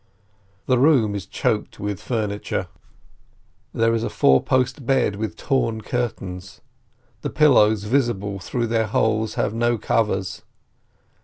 The room is choked with furniture; there is a four post bed with torn curtains. The pillows visible through their holes have no covers.